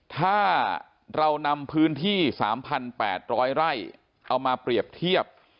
ถ้าเรานำพื้นที่๓๘๐๐ไร่เอามาเปรียบเทียบ